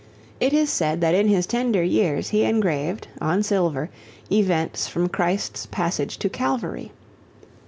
It is said that in his tender years he engraved, on silver, events from Christ's passage to Calvary.